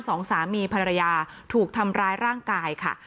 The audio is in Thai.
สองสามีภรรยาถูกทำร้ายร่างกายค่ะ